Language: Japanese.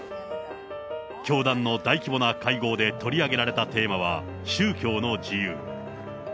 教団の大規模な会合で取り上げられたテーマは、宗教の自由。